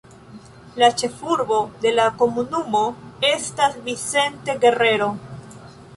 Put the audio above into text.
La ĉefurbo de la komunumo estas Vicente Guerrero.